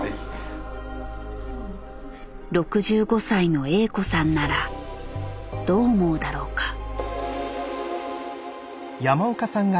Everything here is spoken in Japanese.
６５歳のＡ子さんならどう思うだろうか。